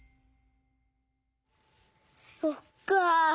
そっか。